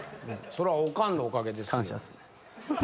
そらおかんのおかげです。